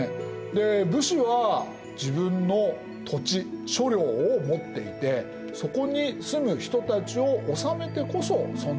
で武士は自分の土地所領を持っていてそこに住む人たちを治めてこそ存在意義があるわけです。